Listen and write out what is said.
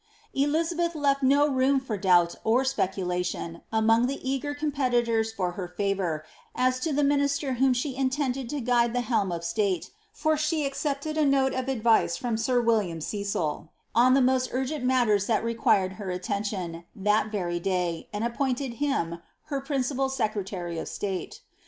Elizabeth left no room for doubt or speculation among the eager competitors for her favour, as to the minister whom she intended to guide the helm of state, for she accepted a note of advice from sir Wil liam Cecil, on the most urgent matters that required her attention, that very day, and appointed him her principal secretary of state.